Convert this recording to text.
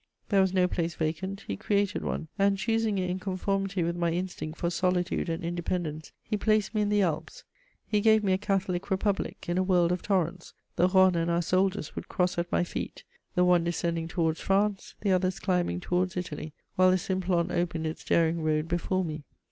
There was no place vacant: he created one, and, choosing it in conformity with my instinct for solitude and independence, he placed me in the Alps; he gave me a Catholic republic, in a world of torrents: the Rhone and our soldiers would cross at my feet, the one descending towards France, the others climbing towards Italy, while the Simplon opened its daring road before me.